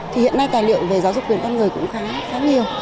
thì hiện nay tài liệu về giáo dục quyền con người cũng khá nhiều